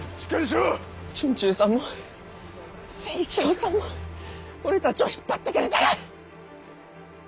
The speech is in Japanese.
惇忠さんも成一郎さんも俺たちを引っ張ってくれたが。